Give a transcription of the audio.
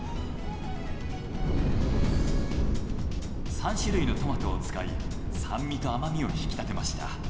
３種類のトマトを使い酸味と甘みを引き立てました。